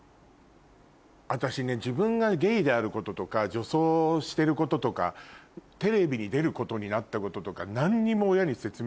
私ね自分がゲイであることとか女装してることとかテレビに出ることになったこととか。